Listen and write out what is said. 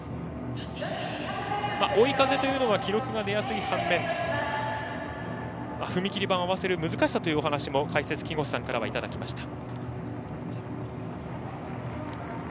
追い風というのは記録が出やすい反面踏切板を合わせる難しさという話も解説の木越さんからはいただきました。